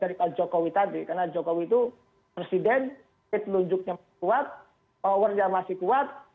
dari pak jokowi tadi karena jokowi itu presiden petunjuknya kuat powernya masih kuat